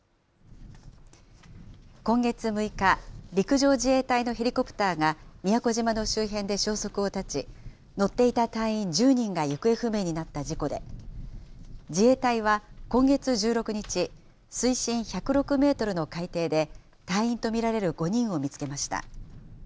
今月６日、陸上自衛隊のヘリコプターが宮古島の周辺で消息を絶ち、乗っていた隊員１０人が行方不明になった事故で、自衛隊は今月１６日、水深１０６メートルの海底で、隊員と見られる５人を見つけました。